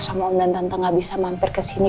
sama om dan tante gak bisa mampir kesini